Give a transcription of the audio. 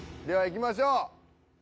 では行きましょう！